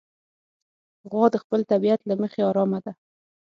غوا د خپل طبیعت له مخې ارامه ده.